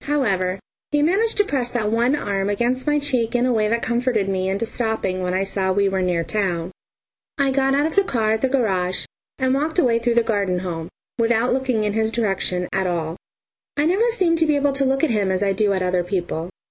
However, he managed to press that one arm against my cheek in a way that comforted me into stopping when I saw we were near town. I got out of the car at the garage and walked away through the garden home, without looking in his direction at all. I never seem to be able to look at him as I do at other people.